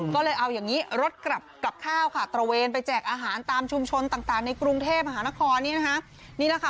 ก็เลยเอาอย่างนี้รถกลับข้าวค่ะตระเวนไปแจกอาหารตามชุมชนต่างในกรุงเทพมหานครนี่นะคะ